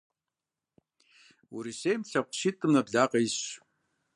Урысейм лъэпкъ щитӏым нэблагъэ исщ.